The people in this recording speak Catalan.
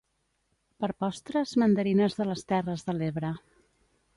Per postres mandarines de les terres de l'Ebre